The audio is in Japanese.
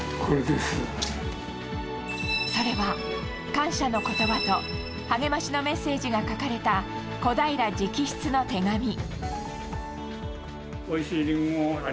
それは、感謝の言葉と励ましのメッセージが書かれた小平直筆の手紙。